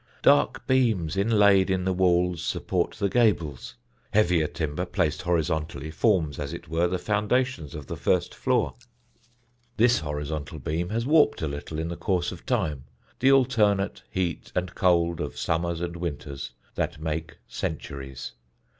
Dark beams inlaid in the walls support the gables; heavier timber, placed horizontally, forms, as it were, the foundation of the first floor. This horizontal beam has warped a little in the course of time, the alternate heat and cold of summers and winters that make centuries.